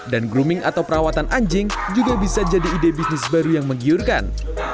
dan grooming atau perawatan anjing juga bisa jadi ide bisnis baru yang menggiurkan